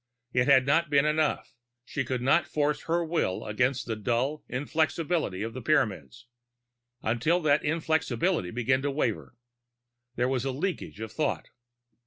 It had not been enough; she could not force her will against the dull inflexibility of the Pyramids.... Until that inflexible will began to waver. There was a leakage of thought.